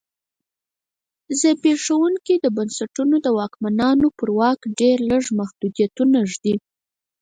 زبېښونکي بنسټونه د واکمنانو پر واک ډېر لږ محدودیتونه ږدي.